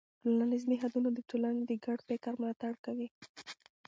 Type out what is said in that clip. ټولنیز نهادونه د ټولنې د ګډ فکر ملاتړ کوي.